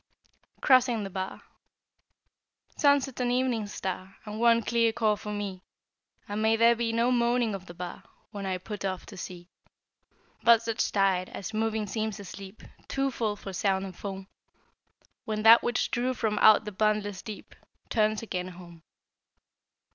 CROSSING THE BAR. Sunset and evening star, And one clear call for me! And may there be no moaning of the bar, When I put off to sea. But such a tide, as, moving, seems asleep, Too full for sound and foam, When that which drew from out the boundless deep Turns again home.